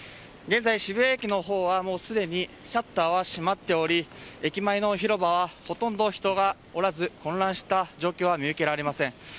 現在渋谷駅の方はすでにシャッターは閉まっており駅前の広場はほとんど人がおらず混乱した状況は見受けられません。